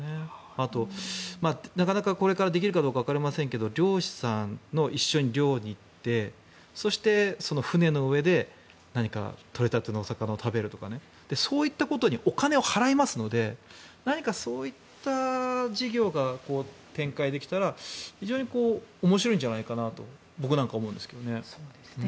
あと、なかなかこれからできるかどうかわかりませんが漁師さんと一緒に漁に行ってそして船の上で何か取れたての魚を食べるとかそういったことにお金を払いますので何かそういった事業が展開できたら非常に面白いんじゃないかなと僕なんか思うんですけどね。